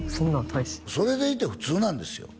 大志それでいて普通なんですよ